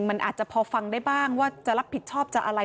มันอาจจะพอฟังได้บ้างว่าจะรับผิดชอบจะอะไร